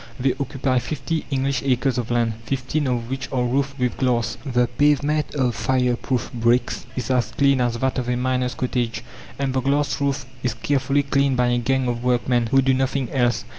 They occupy fifty English acres of land, fifteen of which are roofed with glass. The pavement of fire proof bricks is as clean as that of a miner's cottage, and the glass roof is carefully cleaned by a gang of workmen who do nothing else.